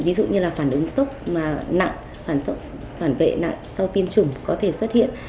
ví dụ như phản ứng sốc nặng phản vệ nặng sau tiêm chủng có thể xuất hiện